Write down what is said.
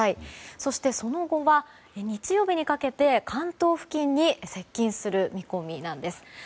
そして、その後は日曜日にかけて関東付近に接近する見込みなんです。